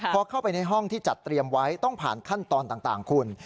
พอเข้าไปในห้องที่จัดเตรียมไว้ต้องผ่านขั้นตอนต่างคุณ